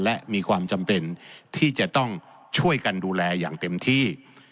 และมีความจำเป็นที่จะต้องช่วยกันดูแลอย่างเต็มที่